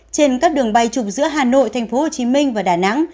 trên các đường bay trục giữa hà nội tp hcm và đà nẵng